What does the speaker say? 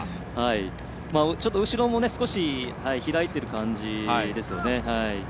ちょっと、後ろも少し開いてる感じですよね。